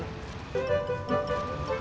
marah sama gue